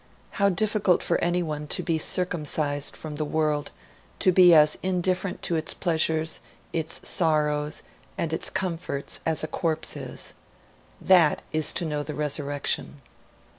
How difficult for anyone to be circumcised from the world, to be as indifferent to its pleasures, its sorrows, and its comforts as a corpse is! That is to know the resurrection.'